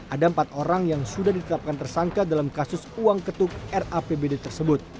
ada empat orang yang sudah ditetapkan tersangka dalam kasus uang ketuk rapbd tersebut